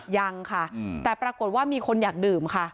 ยังค่ะแต่ปรากฏว่ามีคนอยากดื่มค่ะ